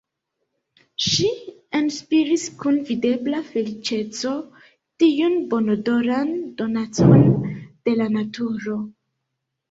Ŝi enspiris kun videbla feliĉeco tiun bonodoran donacon de la naturo.